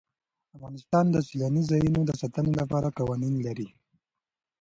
افغانستان د سیلاني ځایونو د ساتنې لپاره قوانین لري.